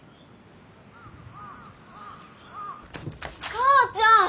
母ちゃん！